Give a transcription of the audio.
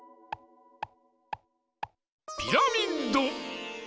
ピラミッド！